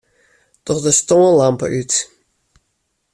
Doch de stânlampe út.